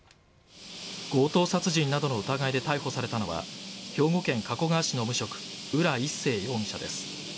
強盗殺人などの疑いで逮捕されたのは兵庫県加古川市の無職浦一生容疑者です。